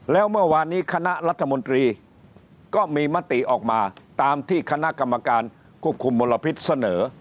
แล้วเมื่อวานนี้คณะรัฐมนตรีก็มีมติออกมาตามที่คณะกรรมการควบคุมมลพิษเสนอ